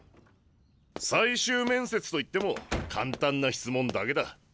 最終面接と言っても簡単な質問だけだ。